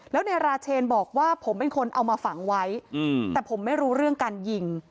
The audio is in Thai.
แล้วนายราเชนบอกว่าผมเป็นคนเอามาฝังไว้แต่ผมไม่รู้เรื่องการยิง